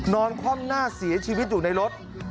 นอนคล่อมหน้าเสียชีวิตอยู่ในรถ